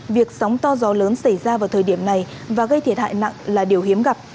việc sóng to gió lớn xảy ra vào thời điểm này và gây thiệt hại nặng là điều hiếm gặp